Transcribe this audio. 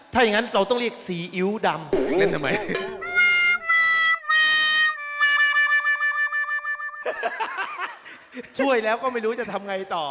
ถ้าอย่างนั้นเราต้องเรียกซีอิ๊วดำเล่นทำไมมาช่วยแล้วก็ไม่รู้จะทำไงต่อ